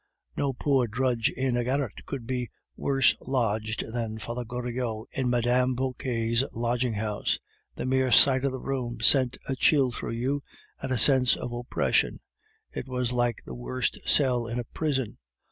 No poor drudge in a garret could be worse lodged than Father Goriot in Mme. Vauquer's lodging house. The mere sight of the room sent a chill through you and a sense of oppression; it was like the worst cell in a prison.